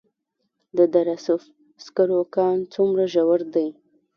د دره صوف سکرو کان څومره ژور دی؟